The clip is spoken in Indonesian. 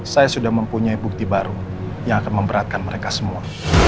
saya sudah mempunyai bukti baru yang akan memberatkan mereka semua